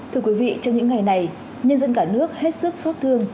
thưa quý vị trong những ngày này nhân dân cả nước hết sức xót thương